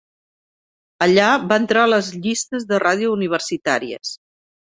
Allà va entrar a les llistes de ràdio universitàries.